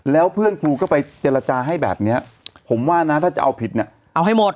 แล้วเพื่อนครูก็ไปเจรจาให้แบบนี้ผมว่านะถ้าจะเอาผิดเนี่ยเอาให้หมด